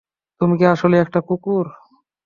তুমি কি আসলেই একটা কুকুর?